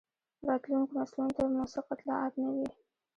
راتلونکو نسلونو ته موثق اطلاعات نه وي.